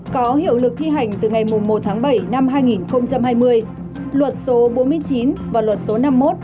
có hiệu lực thi hành từ ngày một tháng bảy năm hai nghìn hai mươi luật số bốn mươi chín và luật số năm mươi một